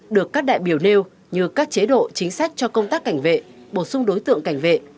được các đại biểu nêu như các chế độ chính sách cho công tác cảnh vệ bổ sung đối tượng cảnh vệ